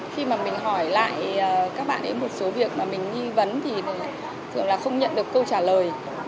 khi mà mình hỏi lại các bạn ấy một số việc mà mình nghi vấn thì thường là không nhận được câu trả lời